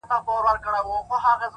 o سیاه پوسي ده؛ جنگ دی جدل دی؛